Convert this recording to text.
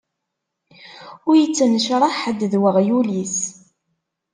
Ur yettnecṛaḥ ḥedd d uɣyul-is.